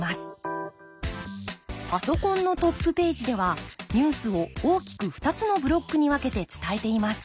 パソコンのトップページではニュースを大きく２つのブロックに分けて伝えています。